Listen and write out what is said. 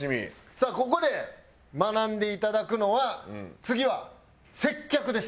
さあここで学んでいただくのは次は接客です。